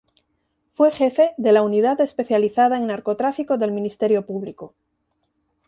Fue Jefe de la Unidad Especializada en Narcotráfico del Ministerio Público.